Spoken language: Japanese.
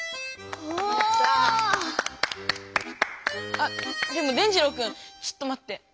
あでも伝じろうくんちょっとまって。